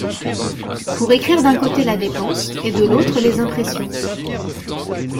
Pour écrire d’un côté la dépense, et de l’autre les impressions.